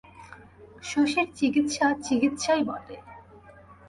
শশীর চিকিৎসা চিকিৎসাই বটে।